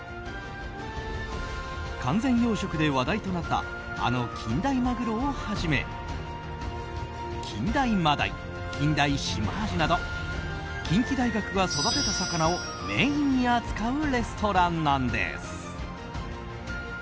完全養殖で話題となったあの近大マグロをはじめ近大マダイ、近大シマアジなど近畿大学が育てた魚をメインに扱うレストランなんです。